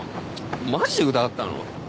マジで疑ったの？